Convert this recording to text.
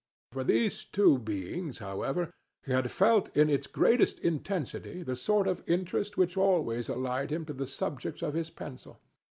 For these two beings, however, he had felt in its greatest intensity the sort of interest which always allied him to the subjects of his pencil.